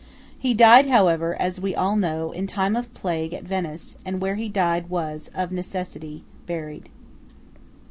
He died, however, as we all know, in time of plague at Venice; and where he died was, of necessity, buried.